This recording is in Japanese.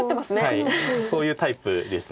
はいそういうタイプです。